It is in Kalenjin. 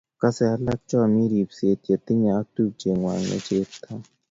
Kosei laak komi ribset ye tinyo ak tupcheng'wany ne chepto